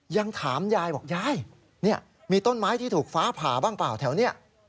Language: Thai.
ยังถามยายบอกยายมีต้นไม้ที่ถูกฟ้าผ่าบ้างเปล่าแถวนี้